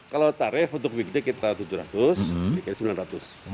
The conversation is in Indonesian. kalau tarif untuk wigde kita tujuh ratus wigde sembilan ratus